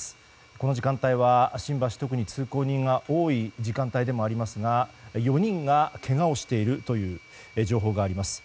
この時間帯は新橋、特に通行人が多い時間帯でもありますが４人がけがをしているという情報があります。